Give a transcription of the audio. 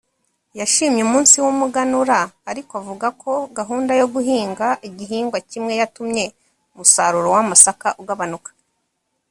yashimye umunsi w’umuganuro ariko avuga ko gahunda yo guhinga igihingwa kimwe yatumye umusaruro w’amasaka ugabanuka